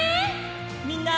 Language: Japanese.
みんな！